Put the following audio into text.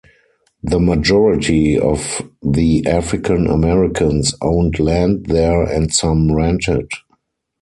The majority of the African-Americans owned land there and some rented.